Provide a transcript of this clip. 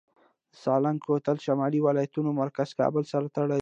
د سالنګ کوتل شمالي ولایتونه مرکز کابل سره تړي